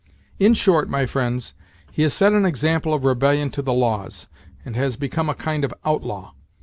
In short, my friends, he has set an example of rebellion to the laws, and has become a kind of outlaw.